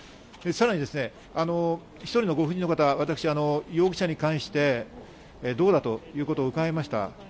さらにですね、１人のご婦人の方、私、容疑者に関してどうだということを伺いました。